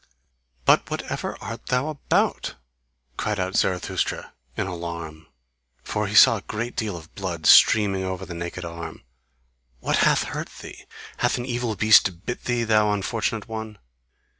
"But whatever art thou about!" called out Zarathustra in alarm, for he saw a deal of blood streaming over the naked arm, "what hath hurt thee? Hath an evil beast bit thee, thou unfortunate one?"